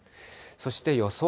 そして予想